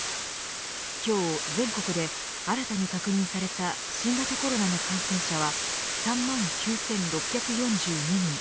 今日全国で新たに確認された新型コロナの感染者は３万９６４２人。